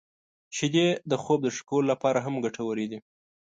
• شیدې د خوب د ښه کولو لپاره هم ګټورې دي.